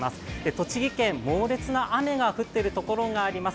栃木県、猛烈な雨が降っているところがあります。